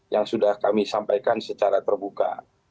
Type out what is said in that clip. yang sudah kami sampaikan secara terbuka